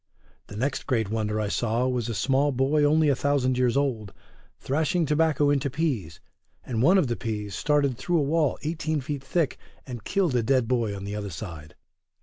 The next great wonder I saw was a small boy only a thousand years old, thrashing tobacco into peas, and one of the peas started through a wall eighteen feet thick, and killed a dead boy on the other side.